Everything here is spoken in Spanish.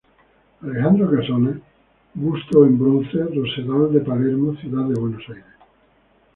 Alejandro Casona, busto en bronce, Rosedal de Palermo, Ciudad de Buenos Aires.